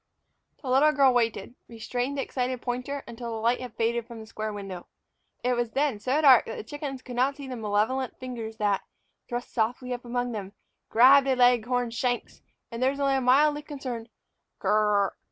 The little girl waited, restraining the excited pointer, until the light had faded from the square window. It was then so dark that the chickens could not see the malevolent fingers that, thrust softly up among them, grabbed a leghorn's shanks; and there was only a mildly concerned "k r r r!"